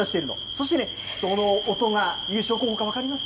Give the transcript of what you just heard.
そして、どの音が優勝候補か分かります？